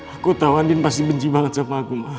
aku tau andien pasti benci banget sama aku